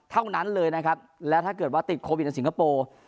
เท่านั้นเลยนะครับแล้วถ้าเกิดว่าติดโควิดในสิงคโปร์